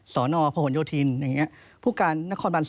ศพโยธินแบทอย่างเงี้ยผู้การศบ๒